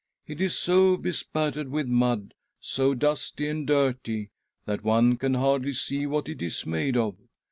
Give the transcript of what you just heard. It is so bespattered with mud, so dusty and dirty, that one can hardly see what it is made of.